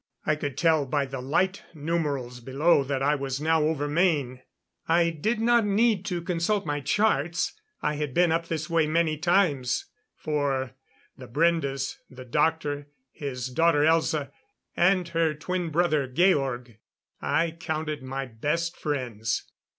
I could tell by the light numerals below, that I was now over Maine. I did not need to consult my charts; I had been up this way many times, for, the Brendes the doctor, his daughter Elza, and her twin brother Georg I counted my best friends.